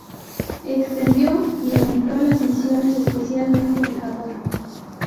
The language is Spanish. Extendió y aumentó las misiones, especialmente en Japón.